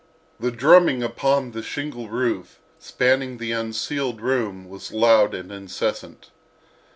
The drumming upon the shingle roof spanning the unceiled room was loud and incessant.